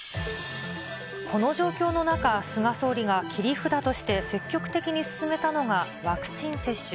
この状況の中、菅総理が切り札として積極的に進めたのがワクチン接種。